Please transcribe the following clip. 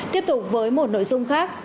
tiếp tục với một nội dung khác